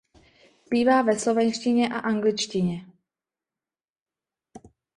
Zpívá ve slovenštině a angličtině.